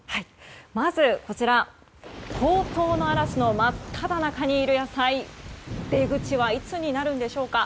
まず、こちら高騰の嵐の真っただ中にいる野菜出口はいつになるんでしょうか。